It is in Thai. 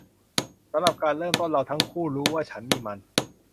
สำหรับการเริ่มต้นเราทั้งคู่รู้ว่าฉันมีมัน